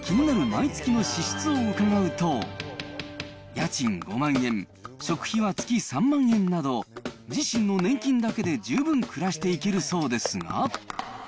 毎月の支出を伺うと、家賃５万円、食費は月３万円など、自身の年金だけで十分暮らしていけるそうですが。